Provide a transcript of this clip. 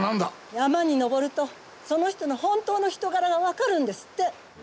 山に登るとその人の本当の人柄が分かるんですって。